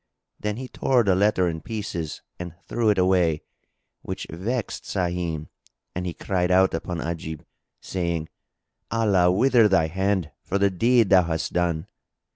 Then he tore the letter in pieces and threw it away, which vexed Sahim and he cried out upon Ajib, saying, "Allah wither thy hand for the deed thou hast done!"